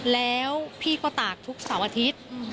แล้วพี่ก็ตากทุกเสาร์อาทิตย์